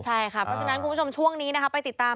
เพราะฉะนั้นคุณผู้ชมช่วงนี้ไปติดตาม